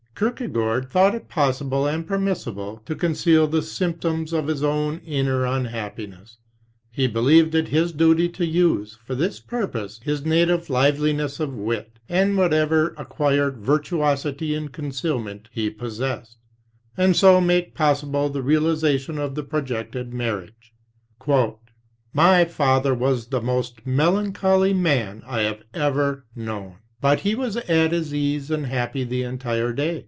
Kierkegaard thought it possible and permissible to conceal the symptoms of his own inner unhappiness; he believed it his duty to use for this purpose his native liveliness of wit and whatever acquired virtuosity in concealment he possessed, and so make possible the realization of the projected mar riage. "My father was the most melancholy man I have ever known. But he was at his ease and happy the entire day.